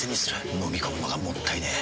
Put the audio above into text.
のみ込むのがもったいねえ。